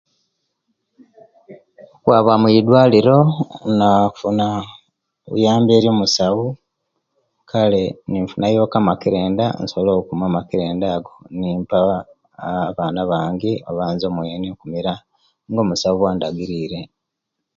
Nkwaba mwidwaliro kufuna buyambi eri omusawo kale nfuunayoku makelenda nsobole okuuma amakerenda aago nimpa abaana bange oba nze kumira nga musawo bwaba ndagirirye.